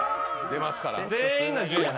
出ますから。